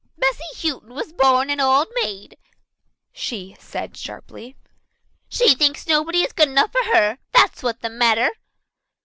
"Bessy Houghton was born an old maid," she said sharply. "She thinks nobody is good enough for her, that is what's the matter.